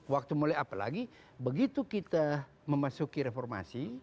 waktu mulai apalagi begitu kita memasuki reformasi